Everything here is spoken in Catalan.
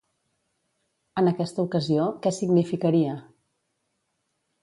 En aquesta ocasió, què significaria?